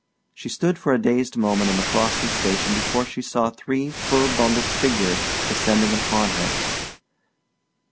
She stood for a dazed moment in the frosty station before she saw three fur bundled figures descending upon her.